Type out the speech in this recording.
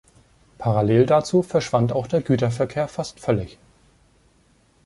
Parallel dazu verschwand auch der Güterverkehr fast völlig.